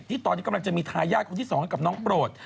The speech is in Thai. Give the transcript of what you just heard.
ที่ตอนนี้กำลังจะมีทายาทคนที่๒ให้กับน้องโปรด